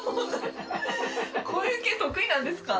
こういう系得意なんですか？